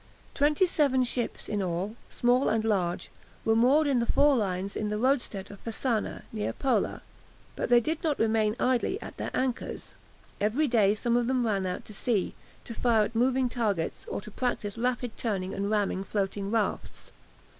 Twenty seven ships in all, small and large, were moored in four lines in the roadstead of Fasana, near Pola. But they did not remain idly at their anchors. Every day some of them ran out to sea, to fire at moving targets or to practise rapid turning and ramming floating rafts.